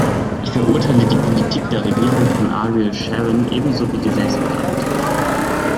Ich verurteile die Politik der Regierung von Ariel Scharon ebenso wie die Selbstmordattentate.